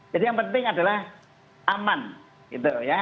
jadi yang penting adalah aman gitu ya